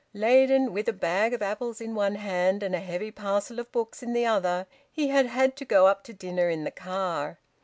Laden with a bag of apples in one hand and a heavy parcel of books in the other, he had had to go up to dinner in the car.